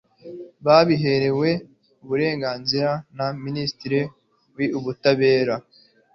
babiherewe uburenganzira na minisitiri w'ubutabera